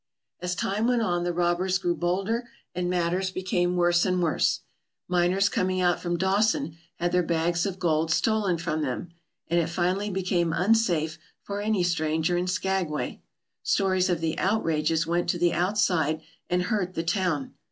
As time went on the robbers grew bolder and matters became worse and worse. Miners coming out from Dawson had their bags of gold stolen from them, and it finally became unsafe for any stranger in Skagway. Stories of the outrages went to the outside and hurt the town.